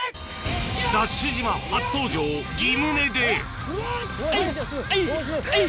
ＤＡＳＨ島初登場ギムネではい！